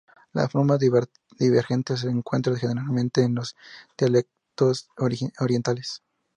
Las formas más divergentes se encuentran generalmente en los dialectos orientales.